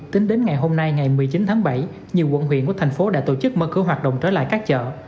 tính đến ngày hôm nay ngày một mươi chín tháng bảy nhiều quận huyện của thành phố đã tổ chức mở cửa hoạt động trở lại các chợ